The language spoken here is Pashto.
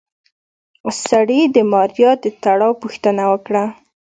سړي د ماريا د تړاو پوښتنه وکړه.